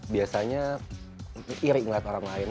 biasanya iri melihat orang lain